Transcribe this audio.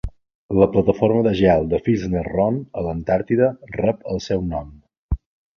La plataforma de gel de Filchner-Ronne a l'Antàrtida rep el seu nom.